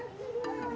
dia juga baik